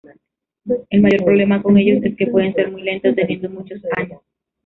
El mayor problema con ellos es que pueden ser muy lento, teniendo muchos años.